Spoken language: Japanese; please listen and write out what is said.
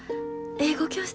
英語教室？